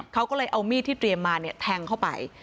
เขาก็เลยเอามีดที่เตรียมมาเนี่ยแทงเข้าไป